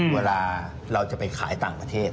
เวลาเราจะไปขายต่างประเทศ